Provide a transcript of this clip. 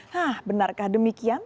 hah benarkah demikian